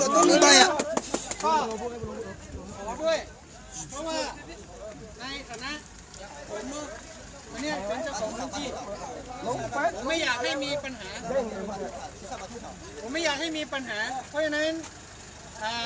เพราะว่าในศาลนี้ผมอยากให้มีปัญหาผมไม่อยากให้มีปัญหาเพราะฉะนั้นอ่า